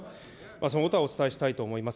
そのことはお伝えしたいと思います。